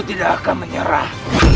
tidak akan menyerah